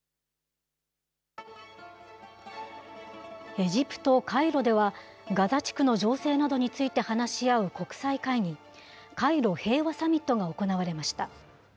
エジプト・カイロでは、ガザ地区の情勢などについて話し合う国際会議、カイロ平和サミットが行われました。